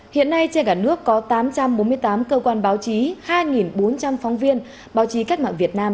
hiện nay trên cả nước có tám trăm bốn mươi tám cơ quan báo chí hai bốn trăm linh phóng viên báo chí cách mạng việt nam